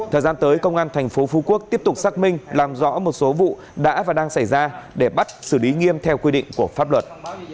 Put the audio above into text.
thời gian tới công an thành phố phú quốc tiếp tục xác minh làm rõ một số vụ đã và đang xảy ra để bắt xử lý nghiêm theo quy định của pháp luật